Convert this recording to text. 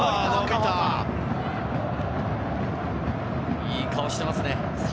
いい顔していますね。